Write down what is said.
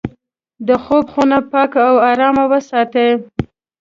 د خوب خونه پاکه او ارامه وساتئ.